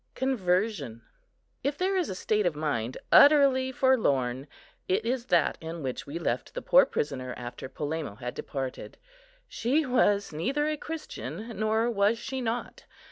CONVERSION. If there is a state of mind utterly forlorn, it is that in which we left the poor prisoner after Polemo had departed. She was neither a Christian, nor was she not.